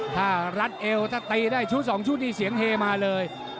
ถ้ารัดเอวถ้าตีได้ชุด๒ชุดนี่เสียงเฮมาเลย